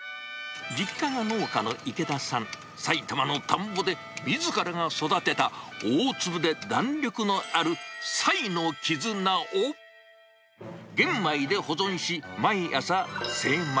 実家が農家の池田さん、埼玉の田んぼでみずからが育てた大粒で弾力のある、彩のきずなを、玄米で保存し、毎朝、精米。